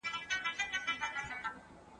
د محتسب او د شیخ سترګي ړندوم درسره